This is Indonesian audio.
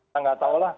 saya tidak tahu